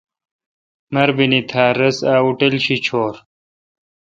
مربینی تھیا رس ا ہوٹل شی چھور۔